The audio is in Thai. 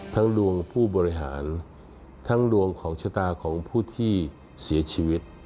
ดวงผู้บริหารทั้งดวงของชะตาของผู้ที่เสียชีวิต